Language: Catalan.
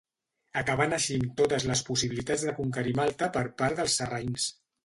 Acabant així amb totes les possibilitats de conquerir Malta per part dels sarraïns.